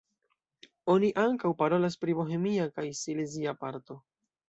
Oni ankaŭ parolas pri bohemia kaj silezia parto.